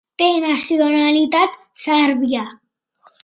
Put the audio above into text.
Té nacionalitat sèrbia.